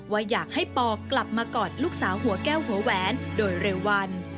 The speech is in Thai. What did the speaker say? ว่าอยากให้ปอกลับมากอดลูกสาวหัวแก้วหัวแหวนโดยเร็ววัน